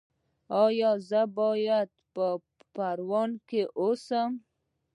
ایا زه باید په پروان کې اوسم؟